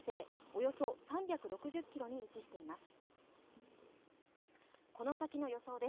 およそ３６０ｋｍに位置しています。